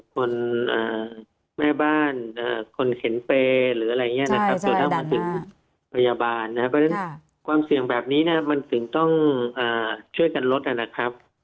คนแม่บ้านคนเข็นเปย์หรืออะไรอย่างนี้นะครับจนกระทั่งมาถึงพยาบาลนะครับเพราะฉะนั้นความเสี่ยงแบบนี้เนี่ยมันถึงต้องช่วยกันลดนะครับ